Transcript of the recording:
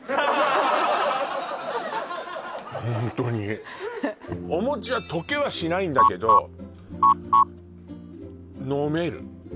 ホントにお餅は溶けはしないんだけど飲める